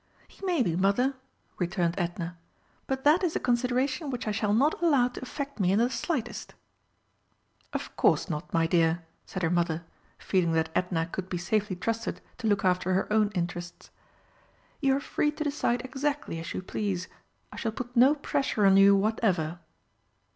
"He may be, Mother," returned Edna. "But that is a consideration which I shall not allow to affect me in the slightest." "Of course not, my dear," said her Mother, feeling that Edna could be safely trusted to look after her own interests. "You are free to decide exactly as you please. I shall put no pressure on you whatever."